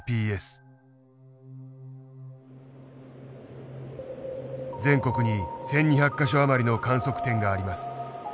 全国に１，２００か所余りの観測点があります。